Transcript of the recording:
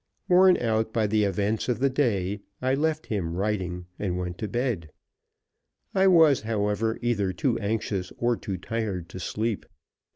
Worn out by the events of the day, I left him writing and went to bed. I was, however, either too anxious or too tired to sleep.